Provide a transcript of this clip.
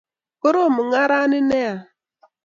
korom mungarani nea